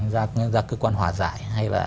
ra cơ quan hòa giải